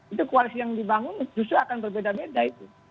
itu koalisi yang dibangun justru akan berbeda beda itu